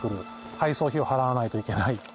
配送費を払わないといけないとか。